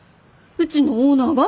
うちのオーナーが？